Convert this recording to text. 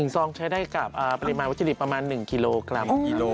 ซองใช้ได้กับปริมาณวัตถุดิบประมาณ๑กิโลกรัมกิโล